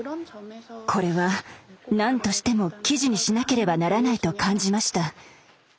これは何としても記事にしなければならないと感じました。